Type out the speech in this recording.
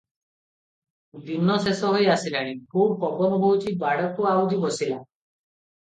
ଦିନ ଶେଷ ହୋଇ ଆସିଲାଣି, ଖୁବ୍ ପବନ ବହୁଛି, ବାଡ଼କୁ ଆଉଜି ବସିଲା ।